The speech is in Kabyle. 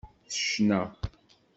Tecna.